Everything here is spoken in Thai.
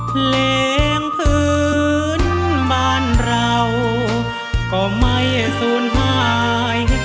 เพลงพื้นบ้านเราก็ไม่สูญหาย